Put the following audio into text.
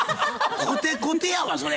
コテコテやわそれ。